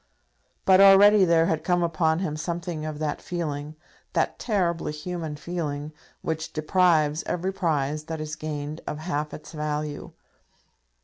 But already there had come upon him something of that feeling, that terribly human feeling, which deprives every prize that is gained of half its value.